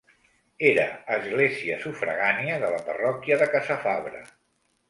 Era església sufragània de la parròquia de Casafabre.